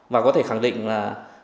và có thể khẳng định là